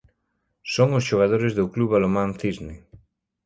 Son os xogadores do Club Balonmán Cisne.